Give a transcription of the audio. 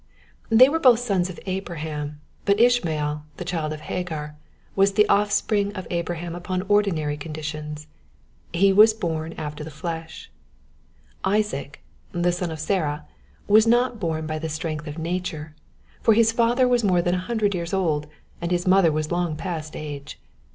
They were both sons of Abraham; but Ishmael, the child of Hagar, was the offspring of Abraham upon ordinary conditions : he was bom after the flesh. Isaac, the son of Sarah, was not born by the strength of nature ; for his father was more than a hundred years old, and his mother was long past age.